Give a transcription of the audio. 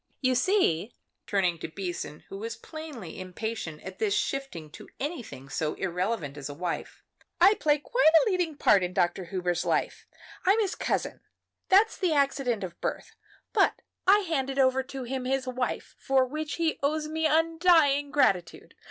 "You see," turning to Beason, who was plainly impatient at this shifting to anything so irrelevant as a wife, "I play quite a leading part in Dr. Hubers' life. I'm his cousin that's the accident of birth; but I handed over to him his wife, for which he owes me undying gratitude.